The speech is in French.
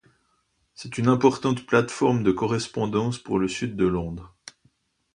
C'est une importante plate-forme de correspondance pour le Sud de Londres.